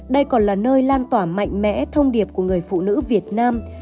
đây còn là nơi lan tỏa mạnh mẽ thông điệp của người phụ nữ việt nam